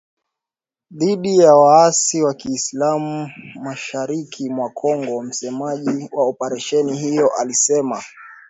Dhidi ya waasi wa kiislam mashariki mwa Kongo msemaji wa operesheni hiyo alisema.